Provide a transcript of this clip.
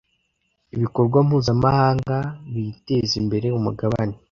ibikorwa mpuzamahanga bitezimbere umugabane.